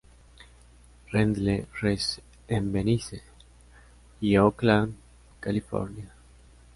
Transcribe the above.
Randle reside en Venice, y Oakland, California.